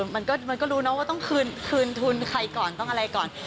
มันก็รู้นะว่าต้องคืนทุนใครก่อนต้องอะไรก่อน